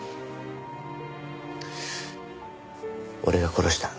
俺が殺した。